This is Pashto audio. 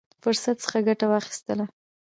فرصت څخه ګټه واخیستله.